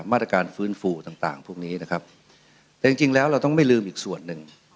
มาตรการฟื้นฟูต่างต่างพวกนี้นะครับแต่จริงจริงแล้วเราต้องไม่ลืมอีกส่วนหนึ่ง